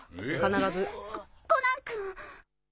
コナン君。